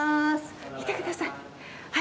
見てください。